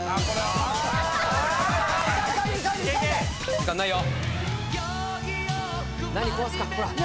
時間ないよ。